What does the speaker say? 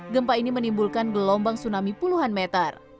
gempa ini menimbulkan gelombang tsunami puluhan meter